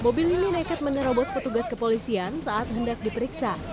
mobil ini nekat menerobos petugas kepolisian saat hendak diperiksa